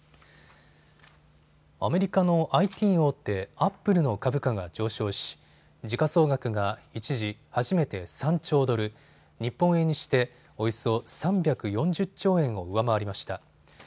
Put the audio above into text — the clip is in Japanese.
アメリカのＩＴ大手、アップルの株価が上昇し時価総額が一時、初めて３兆ドル、日本円にしておよそ３４０兆円を上回りました。